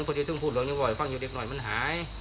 แล้วพอที่ต้องพูดเรื่องนี้ไว้ฟังอยู่เด็กหน่อยมันหาย